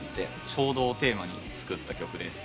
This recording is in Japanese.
衝動をテーマに作った曲です。